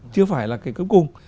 chưa phải là cái cuối cùng